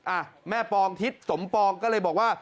อ่ะแม่ปองทิศสมปองก็เลยบอกว่า